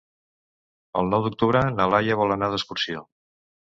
El nou d'octubre na Laia vol anar d'excursió.